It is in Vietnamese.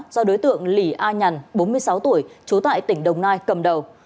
do đối tượng lỷ a nhằn bốn mươi sáu tuổi chố tại tỉnh đồng nai cầm đầu